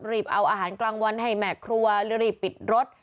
เอาอาหารกลางวันให้แม่ครัวรีบปิดรถ